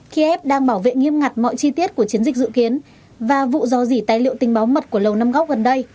kiev đang bảo vệ nghiêm ngặt mọi chi tiết của chiến dịch dự kiến và vụ dò dỉ tài liệu tình báo mật của lầu năm góc gần đây